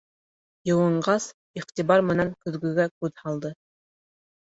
Йыуынғас, иғтибар менән көҙгөгә күҙ һалды.